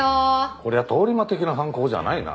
こりゃ通り魔的な犯行じゃないな。